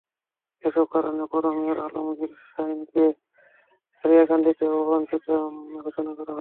এসব কারণে পৌর মেয়র আলমগীর শাহীকে সারিয়াকান্দিতে অবাঞ্ছিত ঘোষণা করা হলো।